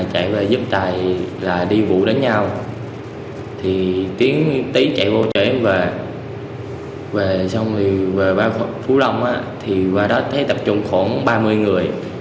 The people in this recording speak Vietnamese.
chạy về giúp tài đi vụ đánh nhau